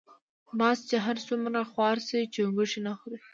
باز چی هر څومره خوار شی چونګښی نه خوري .